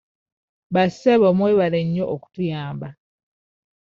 Bassebo mwebale nnyo okutuyamba.